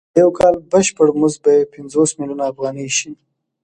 د یو کال بشپړ مزد به یې پنځوس میلیونه افغانۍ شي